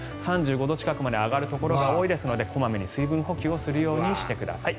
３５度近くまで上がるところが多いですので小まめに水分補給するようにしてください。